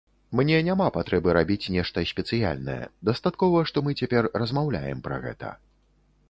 Мне няма патрэбы рабіць нешта спецыяльнае, дастаткова, што мы цяпер размаўляем пра гэта.